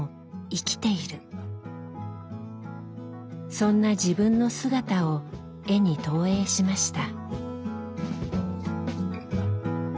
そんな自分の姿を絵に投影しました。